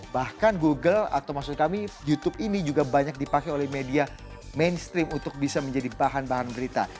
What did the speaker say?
bahkan google atau maksud kami youtube ini juga banyak dipakai oleh media mainstream untuk bisa menjadi bahan bahan berita